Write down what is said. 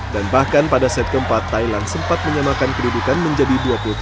dan bahkan pada set keempat thailand sempat menyamakan kedudukan menjadi dua puluh tiga dua puluh tiga